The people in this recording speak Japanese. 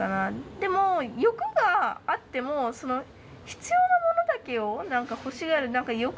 でも欲があってもその必要なものだけを何か欲しがる何か欲の何か度合いみたいな。